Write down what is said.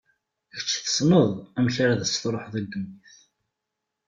Kečč tessneḍ amek ad as-tṛuḥeḍ i ddunit.